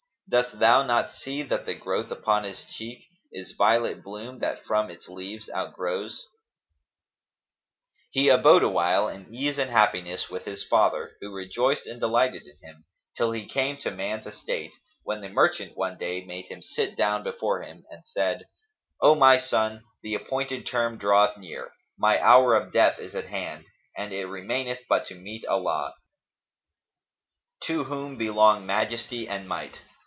Dost thou not see that the growth upon his cheek * Is violet bloom that from its leaves outgrows." He abode awhile in ease and happiness with his father, who rejoiced and delighted in him, till he came to man's estate, when the merchant one day made him sit down before him and said, "O my son, the appointed term draweth near; my hour of death is at hand and it remaineth but to meet Allah (to whom belong Majesty and Might!).